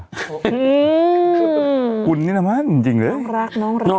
หื้อคุณนี่นะมั้ยจริงเลยน้องรัก